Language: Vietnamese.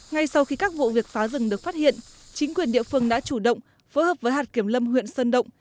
ngay sau khi các vụ việc phá rừng được phát hiện chính quyền địa phương đã chủ động phối hợp với hạt kiểm lâm huyện sơn động